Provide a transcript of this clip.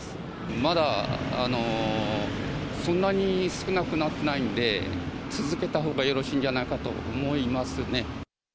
まだそんなに少なくなってないんで、続けたほうがよろしいんじゃないかと思いますね。